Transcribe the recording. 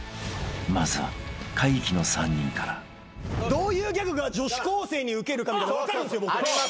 ［まずは怪奇！の３人から］どういうギャグが女子高生にウケるかみたいなの分かるんすよ。